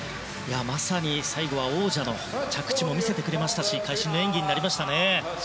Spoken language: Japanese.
まさに最後は、王者の着地も見せてくれましたし会心の演技になりましたね。